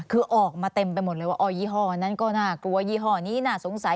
คือออกมาเต็มไปหมดเลยว่าอ๋อยี่ห้อนั้นก็น่ากลัวยี่ห้อนี้น่าสงสัย